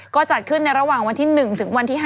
ก็จัดขึ้นในระหว่างวันที่๑ถึงวันที่๕